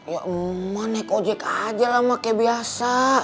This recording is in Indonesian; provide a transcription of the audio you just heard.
ya emang naik ojek aja lah emak kayak biasa